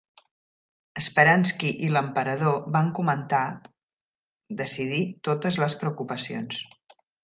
Speransky i l'emperador van comentari decidir totes les preocupacions.